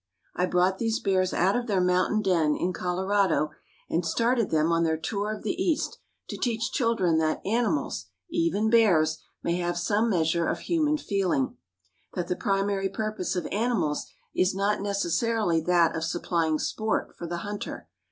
I brought these bears out of their mountain den in Colorado and started them on their tour of the East to teach children that animals, even bears, may have some measure of human feeling; that the primary purpose of animals is not necessarily that of supplying sport for the hunter.